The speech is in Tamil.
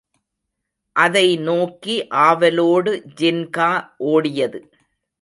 அதை நோக்கி ஆவலோடு ஜின்கா ஓடியது.